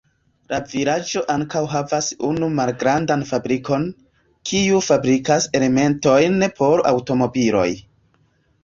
La vilaĝo ankaŭ havas unu malgrandan fabrikon, kiu fabrikas elementojn por aŭtomobiloj.